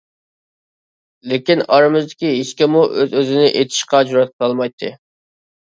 لېكىن ئارىمىزدىكى ھېچكىممۇ ئۆز-ئۆزىنى ئېتىشقا جۈرئەت قىلالمايتتى.